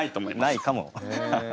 ないかも。